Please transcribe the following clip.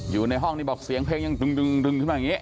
อยู่ในห้องนี่บอกเสียงเพลงยังดึงดึงดึงดึงถึงแบบนี้